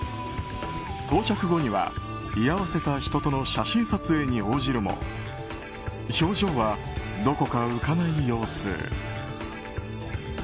到着後には居合わせた人との写真撮影に応じるも表情はどこか浮かない様子。